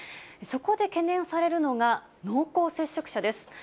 そこで懸念されるのが、濃厚接触者です。